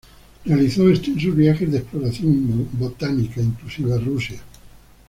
Realizó extensos viajes de exploración botánica, inclusive a Rusia.